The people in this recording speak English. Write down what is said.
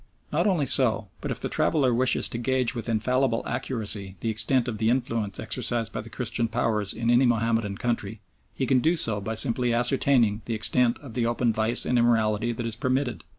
Not only so, but if the traveller wishes to gauge with infallible accuracy the extent of the influence exercised by the Christian Powers in any Mahomedan country, he can do so by simply ascertaining the extent of the open vice and immorality that is permitted.